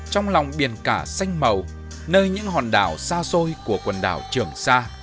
trong lòng biển cả xanh màu nơi những hòn đảo xa xôi của quần đảo trường sa